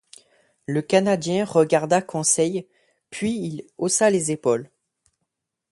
Le Canadien regarda Conseil, puis il haussa les épaules.